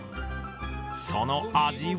その味は。